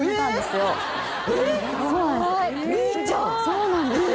そうなんですよ